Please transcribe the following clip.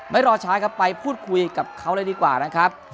รอช้าครับไปพูดคุยกับเขาเลยดีกว่านะครับ